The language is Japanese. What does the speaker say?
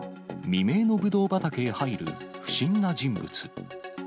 未明のぶどう畑へ入る不審な人物。